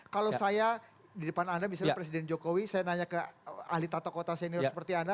kalau saya di depan anda misalnya presiden jokowi saya nanya ke ahli tata kota senior seperti anda